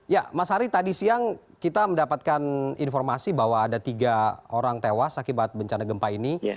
ya mas hari tadi siang kita mendapatkan informasi bahwa ada tiga orang tewas akibat bencana gempa ini